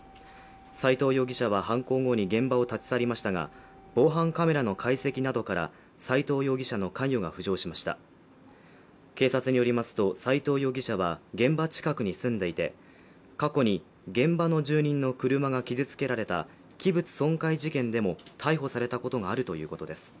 斎藤容疑者は犯行後に現場を立ち去りましたが防犯カメラの解析などから斎藤容疑者の関与が浮上しました警察によりますと、斎藤容疑者は現場近くに住んでいて、過去に現場の住人の車が傷つけられた器物損壊事件でも逮捕されたことがあるということです。